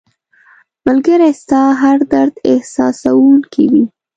ملګری ستا هر درد احساسوونکی وي